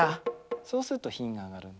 そうすると品が上がるんで。